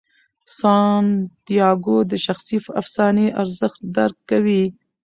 سانتیاګو د شخصي افسانې ارزښت درک کوي.